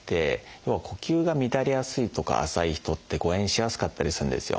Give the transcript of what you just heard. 要は呼吸が乱れやすいとか浅い人って誤えんしやすかったりするんですよ。